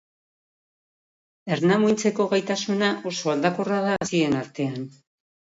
Ernamuintzeko gaitasuna oso aldakorra da hazien artean.